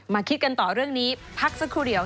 คิดกันต่อเรื่องนี้พักสักครู่เดียว